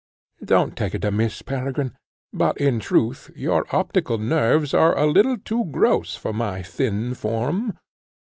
Don't take it amiss, Peregrine; but, in truth, your optical nerves are a little too gross for my thin form.